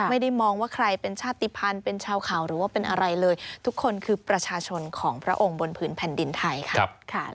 ไม่ได้มองว่าใครเป็นชาติภัณฑ์เป็นชาวเขาหรือว่าเป็นอะไรเลยทุกคนคือประชาชนของพระองค์บนผืนแผ่นดินไทยค่ะ